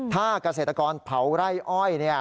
ถ้ากเศรษฐกรเผาร่ายอ้อยเนี่ย